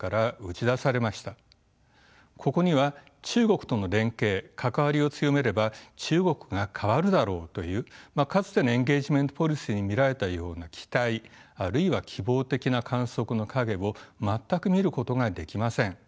ここには中国との連携関わりを強めれば中国が変わるだろうというかつてのエンゲージメント・ポリシーに見られたような期待あるいは希望的な観測の影を全く見ることができません。